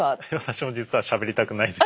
私も実はしゃべりたくないです。